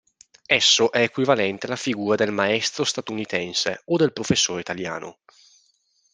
Esso è equivalente alla figura del maestro statunitense o del professore italiano.